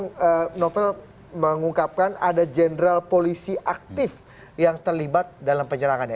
kemudian novel mengungkapkan ada jenderal polisi aktif yang terlibat dalam penyerangannya